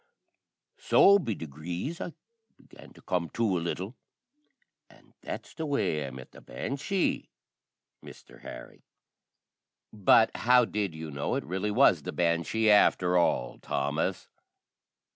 So be degrees I began to come to a little; an' that's the way I met the banshee, Misther Harry! "But how did you know it really was the banshee after all, Thomas?"